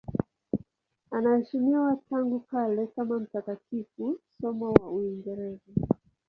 Anaheshimiwa tangu kale kama mtakatifu, somo wa Uingereza.